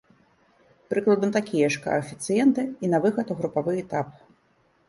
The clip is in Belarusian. Прыкладна такія ж каэфіцыенты і на выхад у групавы этап.